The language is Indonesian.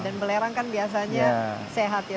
dan belerang kan biasanya sehat ya